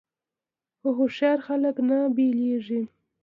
خو هوښیار خلک نه بیلیږي.